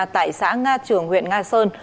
tại xã nga trường huyện nga sơn